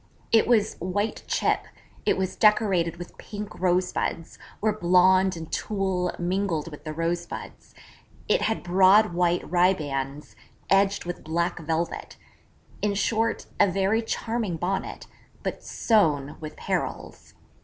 It was white chip; it was decorated with pink rosebuds, where blonde and tulle mingled with the rosebuds; it had broad white ribands edged with black velvet in short, a very charming Bonnet: but sown with perils.